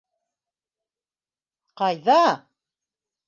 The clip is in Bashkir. Ҡайҙа-а-а...